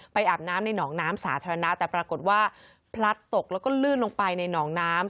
อาบน้ำในหนองน้ำสาธารณะแต่ปรากฏว่าพลัดตกแล้วก็ลื่นลงไปในหนองน้ำ